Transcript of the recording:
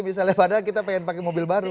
misalnya padahal kita pengen pakai mobil baru